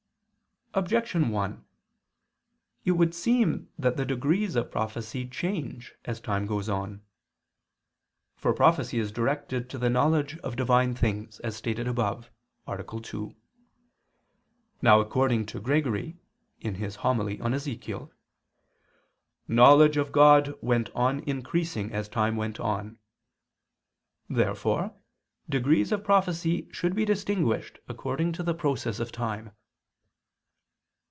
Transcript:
Objection 1: It would seem that the degrees of prophecy change as time goes on. For prophecy is directed to the knowledge of Divine things, as stated above (A. 2). Now according to Gregory (Hom. in Ezech.), "knowledge of God went on increasing as time went on." Therefore degrees of prophecy should be distinguished according to the process of time.